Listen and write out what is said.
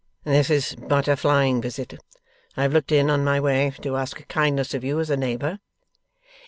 'This is but a flying visit. I have looked in, on my way, to ask a kindness of you as a neighbour.